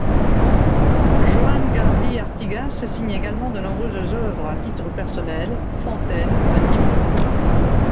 Joan Gardy Artigas signe également de nombreuses œuvres à titre personnel, fontaines, bâtiments.